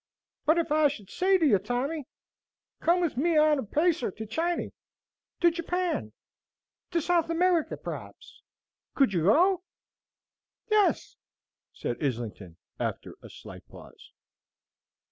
"But if I should say to you, Tommy, come with me on a pasear to Chiny, to Japan, to South Ameriky, p'r'aps, could you go?" "Yes," said Islington, after a slight pause.